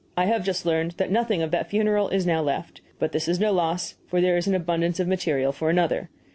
I have just learned that nothing of that funeral is now left; but this is no loss, for there is abundance of material for another.